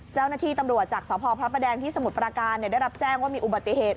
เจ้าหน้าที่ตำรวจจากสพพระประแดงที่สมุทรปราการได้รับแจ้งว่ามีอุบัติเหตุ